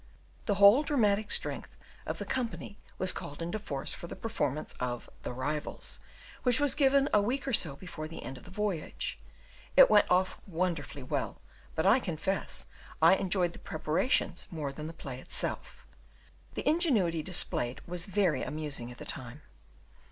The whole dramatic strength of the company was called into force for the performance of "The Rivals," which was given a week or so before the end of the voyage. It went off wonderfully well; but I confess I enjoyed the preparations more than the play itself: the ingenuity displayed was very amusing at the time.